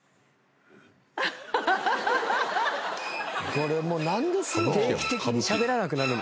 これもう何ですの？